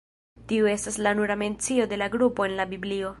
Tiu estas la nura mencio de la grupo en la Biblio.